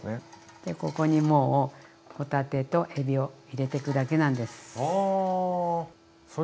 でここにもう帆立てとえびを入れてくだけなんです。